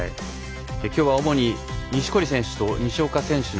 きょうは主に錦織選手と西岡選手の